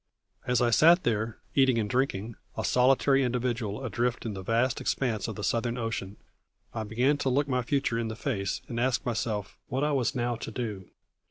As I sat there, eating and drinking, a solitary individual adrift in the vast expanse of the Southern Ocean, I began to look my future in the face and ask myself what I was now to do.